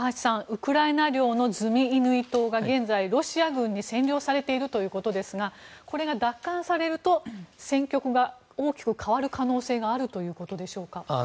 ウクライナ領のズミイヌイ島が現在ロシア軍に占領されているということですがこれが奪還されると戦局が大きく変わる可能性があるということでしょうか。